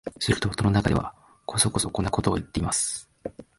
すると戸の中では、こそこそこんなことを言っています